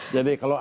jadi kalau anda